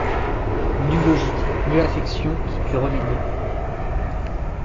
Nulle logique, nulle affection qui pût remédier.